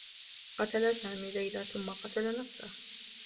قتل سامي ليلى ثمّ قتل نفسه.